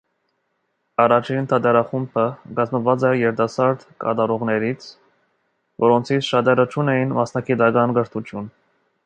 Առաջին թատերախումբը կազմված էր երիտասարդ կատարողներից, որոնցից շատերը չունեին մասնագիտական կրթություն։